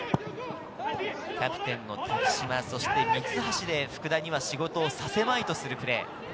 キャプテン・多久島に三橋で、福田には仕事をさせまいとするプレー。